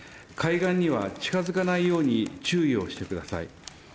海岸には近づかないように注意をしてください。